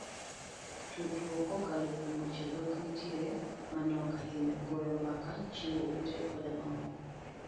Tudruok kokalo kuom weche dhok nitiere manok ahinya, goyo mbaka, chiwo ote koda mamoko.